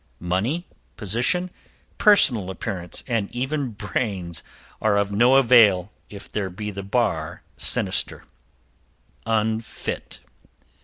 Money, position, personal appearance and even brains are of no avail if there be the bar sinister unfit.